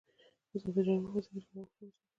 آزاد تجارت مهم دی ځکه چې نوښت زیاتوي.